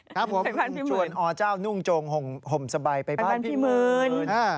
ครับผมคุณชวนอเจ้านุ่งโจงห่มสบายไปบ้านพี่หมื่น